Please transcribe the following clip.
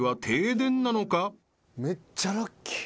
めっちゃラッキー。